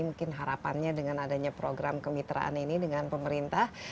mungkin harapannya dengan adanya program kemitraan ini dengan pemerintah